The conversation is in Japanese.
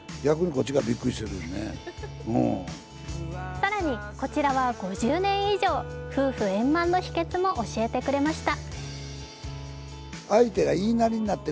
更にこちらは５０年以上、夫婦円満の秘けつも教えてくれました。